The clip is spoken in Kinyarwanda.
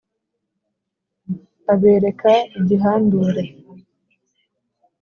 Abereka igihandure